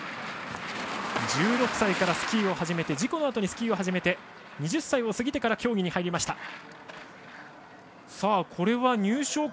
１６歳からスキーを初めて事故のあとにスキーを始めて２０歳を過ぎてから競技に入りました。